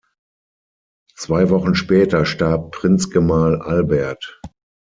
Zwei Wochen später starb Prinzgemahl Albert.